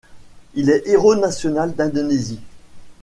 Il est Héros national d'Indonésie.